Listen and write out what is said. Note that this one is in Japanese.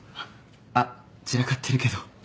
あっ散らかってるけど。